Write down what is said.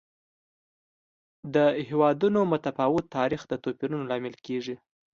د هېوادونو متفاوت تاریخ د توپیرونو لامل کېږي.